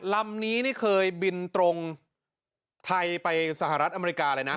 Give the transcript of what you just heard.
ลำนี้นี่เคยบินตรงไทยไปสหรัฐอเมริกาเลยนะ